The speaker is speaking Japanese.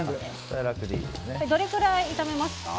どれくらい炒めますか？